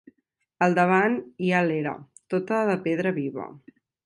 Al davant hi ha l'era, tota de pedra viva.